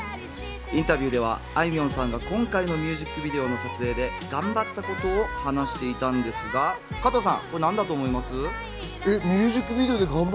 インタビューではあいみょんさんが今回のミュージックビデオの撮影で頑張ったことを話していたんですが、加藤さん、何だと思います？